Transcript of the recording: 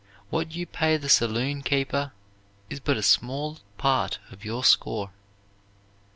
What you pay the saloon keeper is but a small part of your score.